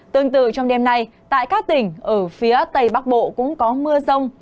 tương tự trong đêm nay tại các tỉnh ở phía tây bắc bộ cũng có mưa rông